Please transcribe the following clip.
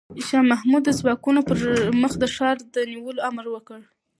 شاه محمود د خپلو ځواکونو پر مخ د ښار د نیولو امر وکړ.